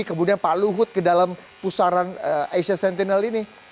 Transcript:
kemudian pak luhut ke dalam pusaran asia sentinel ini